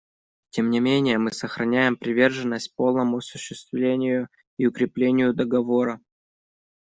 Тем не менее мы сохраняем приверженность полному осуществлению и укреплению Договора.